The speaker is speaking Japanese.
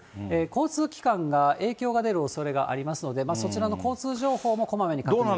交通機関が影響が出るおそれがありますので、そちらの交通情報もこまめに確認を。